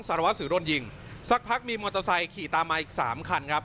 สารวัสสิวโดนยิงสักพักมีมอเตอร์ไซค์ขี่ตามมาอีกสามคันครับ